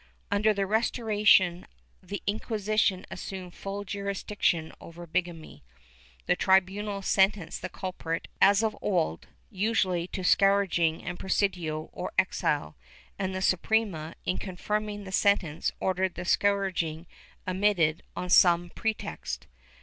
^ Under the Restoration the Inquisition assumed full jurisdiction over bigamy ; the tribunal sentenced the culprit as of old, usually to scourging and presidio or exile, and the Suprema, in confirming the sentence, ordered the scourging omitted on some pretext.